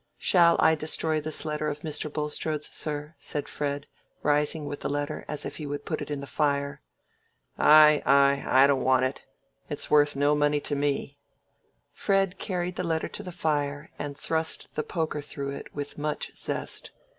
"Shall I destroy this letter of Mr. Bulstrode's, sir?" said Fred, rising with the letter as if he would put it in the fire. "Ay, ay, I don't want it. It's worth no money to me." Fred carried the letter to the fire, and thrust the poker through it with much zest.